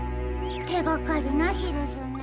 てがかりなしですね。